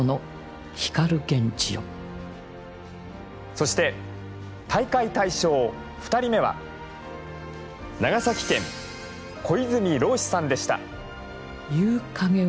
そして大会大賞２人目は長崎県小泉浪士さんでした。